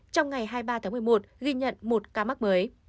trong ngày hai mươi ba tháng một mươi một ghi nhận một ca mắc mới